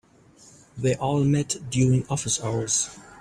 They all met during office hours.